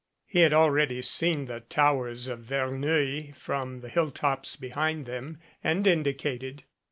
He had already seen the towers of Verneuil from the hilltops behind them and indicated.